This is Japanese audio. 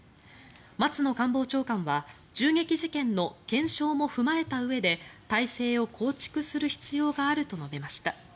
松野官房長官は銃撃事件の検証も踏まえたうえで体制を構築する必要があると述べました。